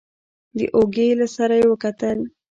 د اوږې له سره يې وکتل.